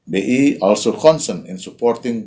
bi juga berfokus dalam mendukung